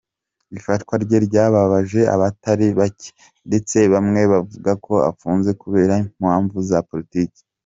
Ifatwa rye ryababaje abatari bake ndetse bamwe bavuga ko afunze kubera impamvu za politiki .